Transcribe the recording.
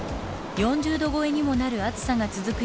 ４０度越えにもなる暑さが続く